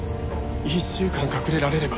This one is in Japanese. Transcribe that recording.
１週間隠れられれば。